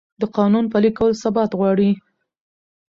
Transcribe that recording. د قانون پلي کول ثبات غواړي